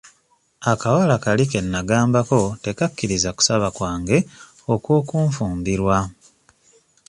Akawala kali ke naggambako tekakkiriza kusaba kwange okw'okunfumbirwa.